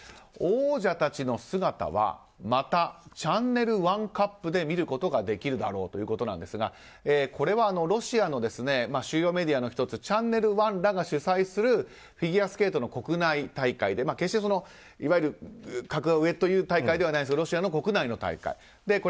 王者たちの姿はまたチャンネル１カップで見ることができるだろうということなんですがこれはロシアの主要メディアの１つチャンネル１らが主催するフィギュアスケートの国内大会で決していわゆる格が上の大会ではないんですがロシアの国内の大会。